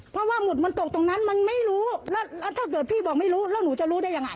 ผมไม่รู้และถ้าเกิดพี่บอกไม่รู้แล้วหนูจะรู้ได้ยังไง